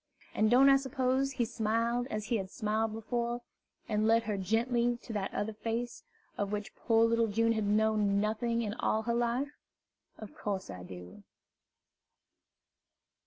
And don't I suppose he smiled as he had smiled before, and led her gently to that other Face, of which poor little June had known nothing in all her life? Of course I do.